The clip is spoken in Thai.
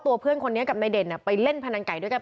อันนี้อันนี้